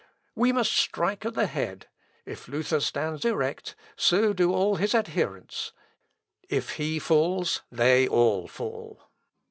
"We must strike at the head. If Luther stands erect, so do all his adherents if he falls, they all fall."